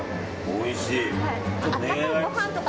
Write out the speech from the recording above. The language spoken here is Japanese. おいしい。